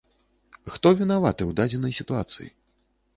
Хто вінаваты ў дадзенай сітуацыі?